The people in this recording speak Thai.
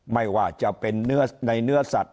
ไม่ว่าจะเป็นเนื้อในเนื้อสัตว